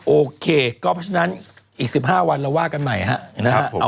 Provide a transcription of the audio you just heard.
โอเคก็เพราะฉะนั้นอีก๑๕วันเราว่ากันใหม่ฮะนะฮะ